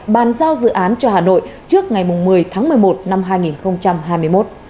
bàn giao dự án cho hà nội trước ngày một mươi tháng một mươi một năm hai nghìn hai mươi một